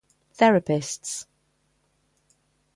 Therapists.